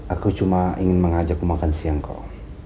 aku cuma ingin mengajak makan siang kau